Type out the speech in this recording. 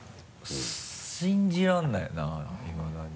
信じられないないまだに。